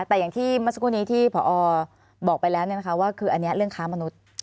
แต่อย่างที่เมื่อสักครู่นี้ที่พอบอกไปแล้วว่าคืออันนี้เรื่องค้ามนุษย์